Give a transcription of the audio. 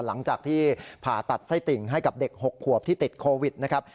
หลังจากที่ผ่าตัดไส้ติ่งให้กับเด็ก๖ขวบที่ติดโควิดนะครับ